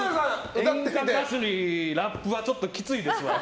演歌歌手にラップはちょっときついですわ。